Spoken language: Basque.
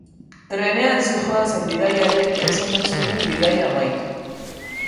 Trenean zihoazen bidaiariek ez omen zuten bidaia amaitu.